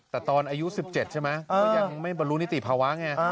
แต่ตอนอายุ๑๗ใช่ไหมก็ยังไม่บรรลุนิติภาวะไง